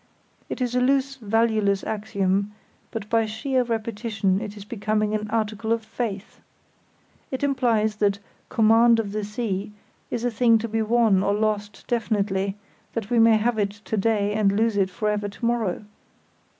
It is a loose, valueless axiom, but by sheer repetition it is becoming an article of faith. It implies that "command of the sea" is a thing to be won or lost definitely; that we may have it to day and lose it for ever to morrow.